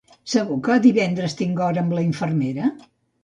Segur que divendres tinc hora amb la infermera?